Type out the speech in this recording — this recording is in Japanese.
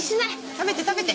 食べて食べて。